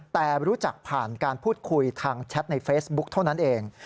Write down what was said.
แต่รู้จักผ่านการพูดคุยทางแชทในเฟซบุ๊คเท่านั้นเอง